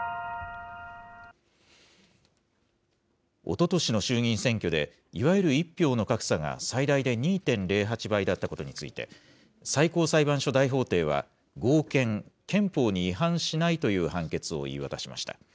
おととしの衆議院選挙で、いわゆる１票の格差が最大で２．０８倍だったことについて、最高裁判所大法廷は合憲、憲法に違反しないという判決を言い渡しました。